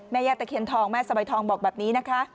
แม่ย่าตะเคียนทองแม่สบายทองบอกแบบนี้นะคะ